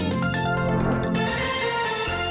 อุ๊ยสวยมากเลย